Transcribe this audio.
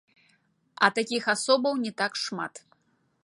А такіх асобаў не так шмат.